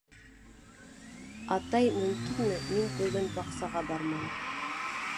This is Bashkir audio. — Атай, мөмкинме, мин бөгөн баҡсаға бармайым!